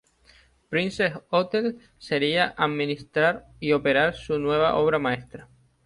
Princess Hotels sería administrar y operar su nueva obra maestra.